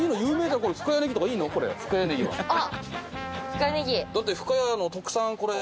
だって深谷の特産これ。